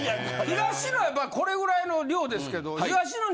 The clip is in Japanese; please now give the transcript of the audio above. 東野はやっぱこれぐらいの量ですけど。